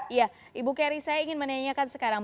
iya ibu keri saya ingin menanyakan sekarang